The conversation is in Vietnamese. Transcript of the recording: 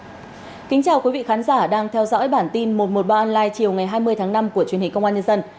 xin chào quý vị khán giả đang theo dõi bản tin một trăm một mươi ba online chiều ngày hai mươi tháng năm của truyền hình công an nhân dân